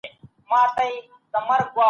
ژوند د انسانیت ښوونځی